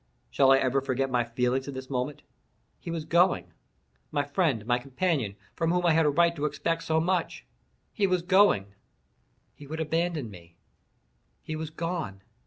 Shall I ever forget my feelings at this moment? He was going—my friend, my companion, from whom I had a right to expect so much—he was going—he would abandon me—he was gone!